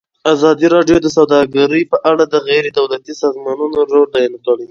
ازادي راډیو د سوداګري په اړه د غیر دولتي سازمانونو رول بیان کړی.